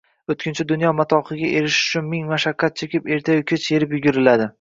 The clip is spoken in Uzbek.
o‘tkinchi dunyo matohiga erishish uchun ming mashaqqat chekib, ertayu kech yelib-yuguriladi.